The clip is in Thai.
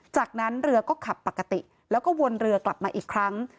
จากนั้นเรือก็ขับปกติแล้วก็วนเรือกลับมาอีกครั้ง